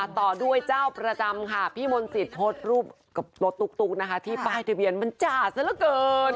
ต่อด้วยเจ้าประจำค่ะพี่มนต์สิทธิ์โพสต์รูปกับรถตุ๊กนะคะที่ป้ายทะเบียนมันจ่าซะละเกิน